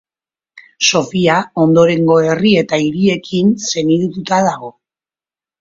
Sofia ondorengo herri eta hiriekin senidetuta dago.